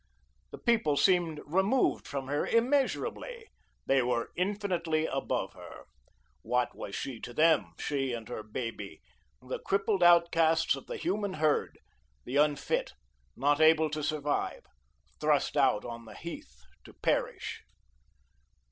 The people seemed removed from her immeasurably; they were infinitely above her. What was she to them, she and her baby, the crippled outcasts of the human herd, the unfit, not able to survive, thrust out on the heath to perish?